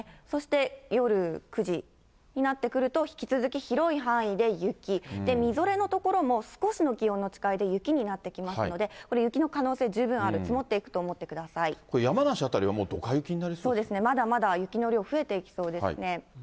そして夜９時になってくると、引き続き広い範囲で雪、みぞれの所も、少しの気温の違いで雪になってきますので、これ、雪の可能性、十分ある、山梨辺りはもうどか雪になりそうですね、まだまだ雪の量、増えていきそうですね。